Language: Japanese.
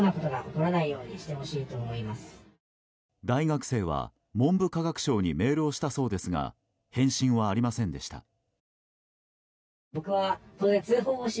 大学生は文部科学省にメールをしたそうですが返信はありませんでした。